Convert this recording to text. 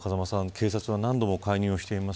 警察は何度も介入しています。